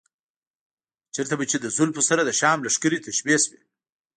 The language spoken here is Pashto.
چېرته به چې له زلفو سره د شام لښکرې تشبیه شوې.